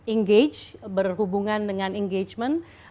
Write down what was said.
engage berhubungan dengan engagement